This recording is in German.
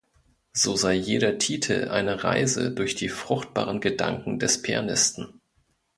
So sei jeder Titel eine Reise durch die fruchtbaren Gedanken des Pianisten.